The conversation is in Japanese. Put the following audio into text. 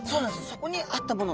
そこにあったもの